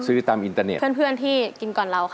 ซื้อตามอินเตอร์เน็ตเพื่อนเพื่อนที่กินก่อนเราค่ะ